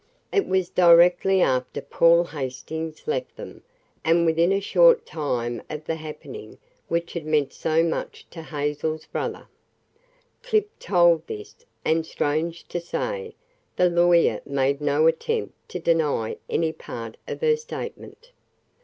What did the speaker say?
It was directly after Paul Hastings left them, and within a short time of the happening which had meant so much to Hazel's brother. Clip told this, and, strange to say, the lawyer made no attempt to deny any part of her statement.